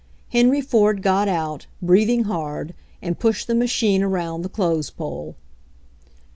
Henry Ford got out, breathing hard, and pushed the machine around the clothes pole.